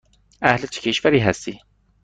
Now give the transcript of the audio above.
اهل چه کشوری هستی؟